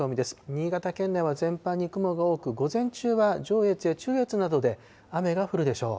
新潟県内は全般に雲が多く、午前中は上越や中越などで雨が降るでしょう。